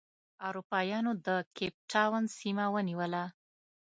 اروپا یانو د کیپ ټاون سیمه ونیوله.